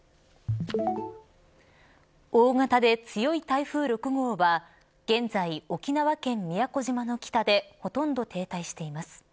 大型で強い台風６号は現在、沖縄県宮古島の北でほとんど停滞しています。